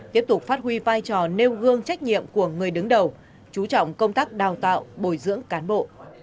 tiếp tục phát huy vai trò nêu gương trách nhiệm của người đứng đầu chú trọng công tác đào tạo bồi dưỡng cán bộ